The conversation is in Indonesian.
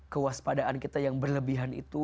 kewaspadaan kita yang berlebihan itu